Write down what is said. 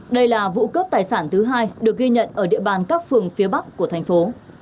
đây là vụ cướp tài sản thứ hai được ghi nhận ở địa bàn các phường phía bắc của thành phố